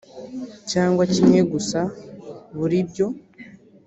cyangwa kimwe gusa buri ibyo